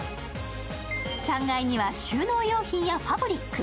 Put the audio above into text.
３階には収納用品やファブリック。